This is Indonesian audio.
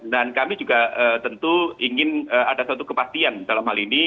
dan kami juga tentu ingin ada satu kepastian dalam hal ini